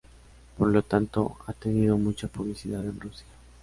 Por lo tanto, ha tenido mucha publicidad en Rusia.